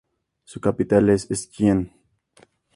Su capital es Skien.